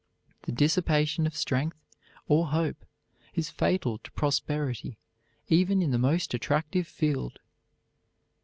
The dissipation of strength or hope is fatal to prosperity even in the most attractive field.